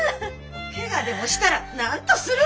ケガでもしたら何とする！